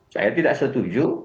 saya tidak setuju